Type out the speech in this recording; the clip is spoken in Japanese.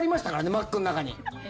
マックの中に。